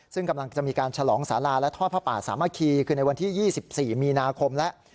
ซึ่งกำลังจะมีการฉลองสาราและทอดผ้าป่าสามัคคีคือในวันที่๒๔มีนาคมแล้ว